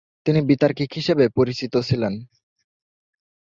তিনি বিতার্কিক হিসেবে পরিচিত ছিলেন।